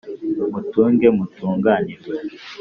mutunge mutunganirwe